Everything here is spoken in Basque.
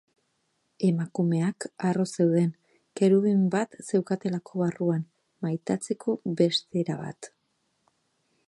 Emakumeak harro zeuden, kerubin bat zeukatelako barruan, maitatzeko beste era bat.